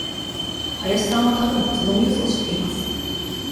林さんはたぶんそのニュースを知っています。